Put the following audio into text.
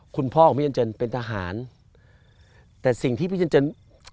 คุณพ่อของพี่เจนเจนเป็นทหารแต่สิ่งที่พี่เจนเจิน